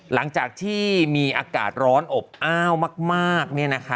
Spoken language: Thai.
หลังจากที่มีอากาศร้อนอบอ้าวมาก